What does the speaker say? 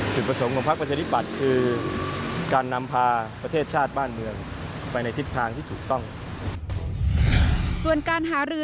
จุดประสงค์ของพักประชาธิปัตย์คือ